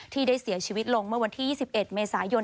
ที่ได้เสียชีวิตลงเมื่อวันที่๒๑เมษายน